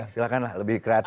silahkanlah lebih kreatif